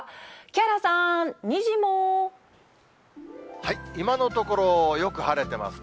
木原さん、今のところ、よく晴れてます